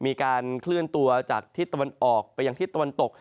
มีการเคลื่อนตัวจากทิศตะวันออกไปยังทิศตะวันตก